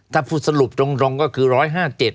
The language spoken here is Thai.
ถ้าพูดสรุปรองก็คือ